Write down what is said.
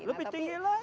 lebih tinggi lagi